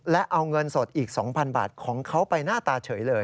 และเอาเงินสดอีก๒๐๐บาทของเขาไปหน้าตาเฉยเลย